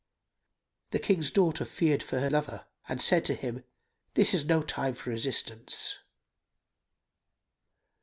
The King's daughter feared for her lover[FN#297] and said to him, "This is no time for resistance."